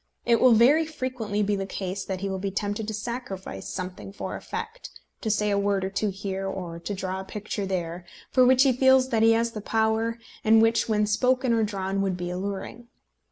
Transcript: It will very frequently be the case that he will be tempted to sacrifice something for effect, to say a word or two here, or to draw a picture there, for which he feels that he has the power, and which when spoken or drawn would be alluring.